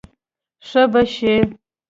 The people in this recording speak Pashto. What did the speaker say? ښه به شې.